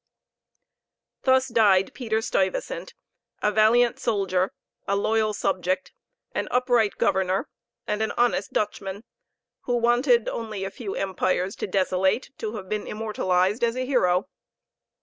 Thus died Peter Stuyvesant, a valiant soldier, a loyal subject, an upright governor, and an honest Dutchman, who wanted only a few empires to desolate to have been immortalized as a hero!